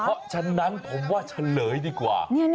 เพราะฉะนั้นผมว่าเฉลยดีกว่า